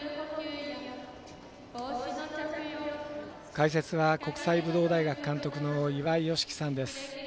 解説は国際武道大学監督の岩井美樹さんです。